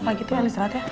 pagi tuh alis rat ya